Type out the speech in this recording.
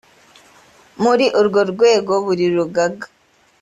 muri urwo rwego buri rugaga